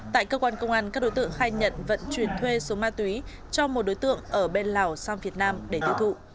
tại cơ quan công an các đối tượng khai nhận vận chuyển thuê số ma túy cho một đối tượng ở bên lào sang việt nam để tiêu thụ